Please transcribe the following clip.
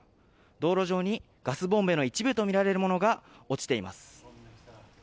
道路上に、ガスボンベの一部とみられるものが落ちています。